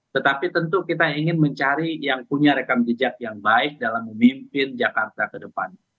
tetapi tentu kita ingin mencari yang punya rekam jejak yang baik dalam memimpin jakarta ke depan